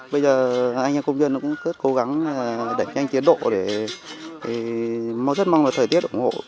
bây giờ anh em công viên nó cũng cố gắng đẩy nhanh tiến độ để rất mong là thời tiết ủng hộ